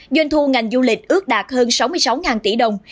doanh thu ngành du lịch ước đạt hơn sáu mươi sáu tỷ đồng